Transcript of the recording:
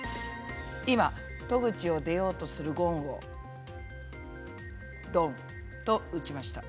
「今戸口を出ようとするごんをドンとうちました。